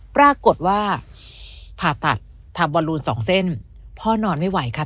ปรากฏว่าผ่าตัดทำบอลลูนสองเส้นพ่อนอนไม่ไหวครับ